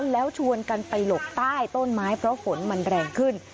แล้วชวนกันไปหลบใต้ต้นไม้เพราะฝนมันแรงขึ้น